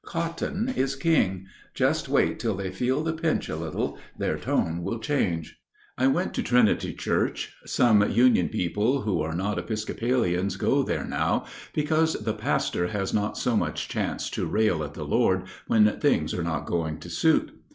Cotton is king. Just wait till they feel the pinch a little; their tone will change." I went to Trinity Church. Some Union people who are not Episcopalians go there now because the pastor has not so much chance to rail at the Lord when things are not going to suit.